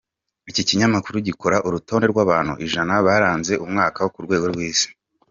Iki Kinyamakuru gikora urutonde rw’abantu ijana baranze umwaka ku rwego rw’Isi.